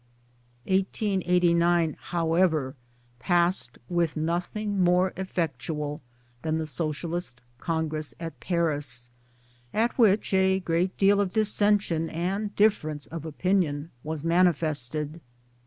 1889 however passed, with nothing more effectual than the Socialist Congress at Paris at which a great deal of dissension and difference of opinion was manifested.